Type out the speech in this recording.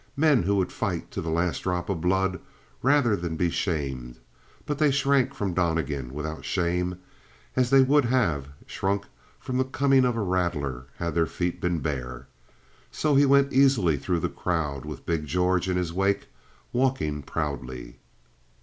Men who would fight to the last drop of blood rather than be shamed, but they shrank from Donnegan without shame, as they would have shrunk from the coming of a rattler had their feet been bare. So he went easily through the crowd with big George in his wake, walking proudly.